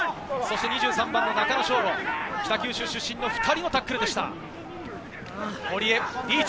２３番の中野将伍、北九州出身２人のタックルでした。